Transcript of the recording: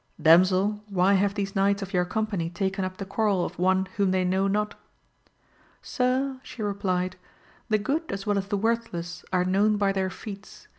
Damsel why have these knights of your company taken up the quarrel of one whom they know not % Sir, she replied, the good as well as the worthless are known by their feats j M AMADIS OF GAUL.